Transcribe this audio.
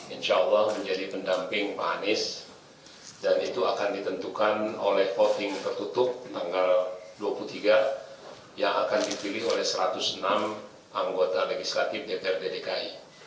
insya allah menjadi pendamping pak anies dan itu akan ditentukan oleh voting tertutup tanggal dua puluh tiga yang akan dipilih oleh satu ratus enam anggota legislatif dprd dki